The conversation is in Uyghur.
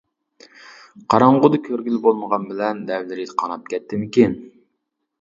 قاراڭغۇدا كۆرگىلى بولمىغان بىلەن، لەۋلىرى قاناپ كەتتىمىكىن.